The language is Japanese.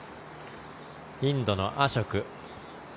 インドのアショク。